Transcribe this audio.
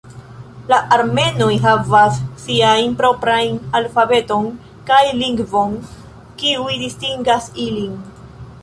La armenoj havas siajn proprajn alfabeton kaj lingvon kiuj distingas ilin.